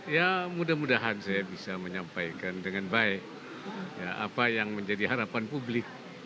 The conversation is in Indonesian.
ya mudah mudahan saya bisa menyampaikan dengan baik apa yang menjadi harapan publik